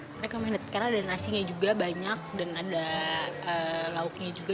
recommended karena ada nasinya juga banyak dan ada lauknya juga